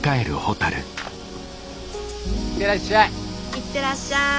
いってらっしゃい！